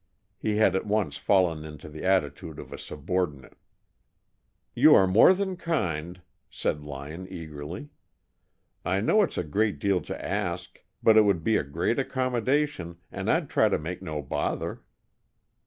He had at once fallen into the attitude of a subordinate. "You are more than kind," said Lyon, eagerly. "I know it's a great deal to ask, but it would be a great accommodation, and I'd try to make no bother."